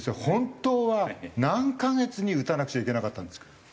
本当は何カ月に打たなくちゃいけなかったんですか？